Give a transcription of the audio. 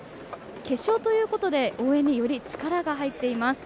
決勝ということで応援により力が入っています。